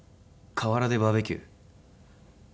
河原でバーベキュー？